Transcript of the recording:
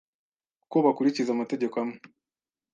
kuko bakurikiza amategeko amwe